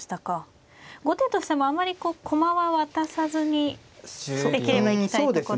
後手としてもあまりこう駒は渡さずにできれば行きたいところですか。